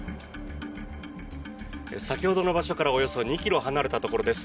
先ほどの場所からおよそ２ｋｍ離れたところです。